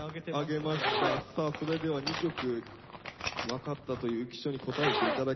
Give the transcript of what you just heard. さあそれでは２曲分かったという浮所に答えて頂きましょう。